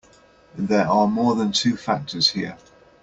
There are more than two factors here.